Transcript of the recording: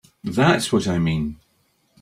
That's what I mean.